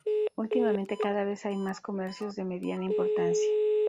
Últimamente cada vez hay más comercios de mediana importancia.